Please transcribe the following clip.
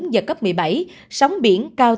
và cấp một mươi bảy sóng biển cao